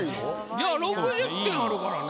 いや６０点あるからね。